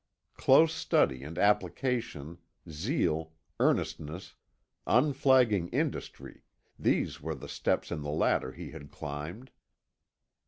Close study and application, zeal, earnestness, unflagging industry, these were the steps in the ladder he had climbed.